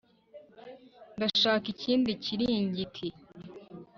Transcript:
ndashaka ikindi kiringiti